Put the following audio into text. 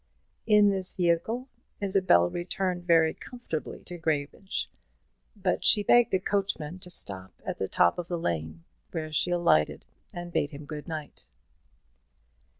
In this vehicle Isabel returned very comfortably to Graybridge; but she begged the coachman to stop at the top of the lane, where she alighted and bade him good night.